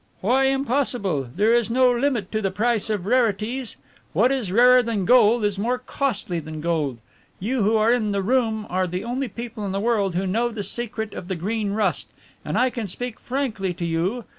"Why impossible? There is no limit to the price of rarities. What is rarer than gold is more costly than gold. You who are in the room are the only people in the world who know the secret of the Green Rust, and I can speak frankly to you.